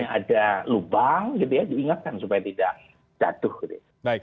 ada lubang gitu ya diingatkan supaya tidak jatuh gitu